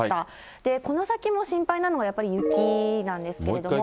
で、この先も心配なのは、やっぱり雪なんですけれども。